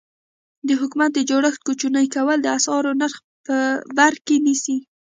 د حکومت د جوړښت کوچني کول د اسعارو نرخ بر کې نیسي.